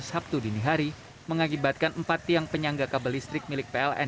sabtu dini hari mengakibatkan empat tiang penyangga kabel listrik milik pln